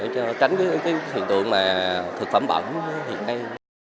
để tránh hiện tượng thực phẩm bẩm hiện nay